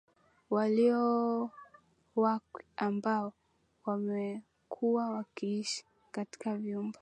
waliowakwi ambao wamekuwa wakiishi katika vyumba